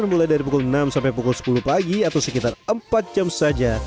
mulai dari pukul enam sampai pukul sepuluh pagi atau sekitar empat jam saja